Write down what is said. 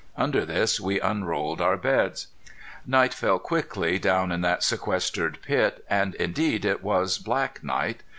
Under this we unrolled our beds. Night fell quickly down in that sequestered pit, and indeed it was black night.